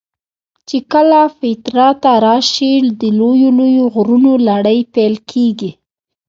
چې کله پیترا ته راشې د لویو لویو غرونو لړۍ پیل کېږي.